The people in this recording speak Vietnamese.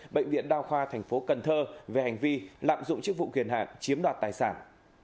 bệnh viện đa khoa thành phố cần thơ về hành vi lạm dụng chức vụ kiền hạn chiếm đoạt tài sản